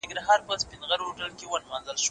زه له شخړو ځان ليري ساتم.